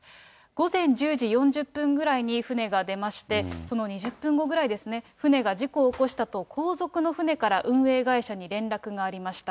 午前１０時４０分ぐらいに船が出まして、その２０分後ぐらいですね、船が事故を起こしたと、後続の船から運営会社に連絡がありました。